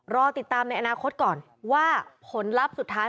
รอติดตามในอนาคตก่อนว่าผลลัพธ์สุดท้าย